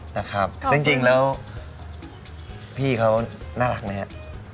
นะครับจริงแล้วพี่เขาน่ารักไหมฮะ